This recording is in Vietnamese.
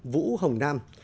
vũ hồng nam